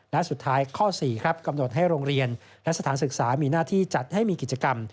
และสุดท้ายข้อ๔ครับกำหนดให้โรงเรียนและสถานศึกษามีหน้าที่จัดให้มีกิจกรรม